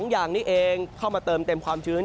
อย่างนี้เองเข้ามาเติมเต็มความชื้น